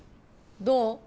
どう？